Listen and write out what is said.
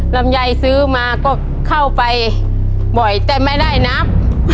ลำไยซื้อมาก็เข้าไปบ่อยแต่ไม่ได้นับ